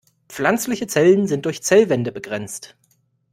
Pflanzliche Zellen sind durch Zellwände begrenzt.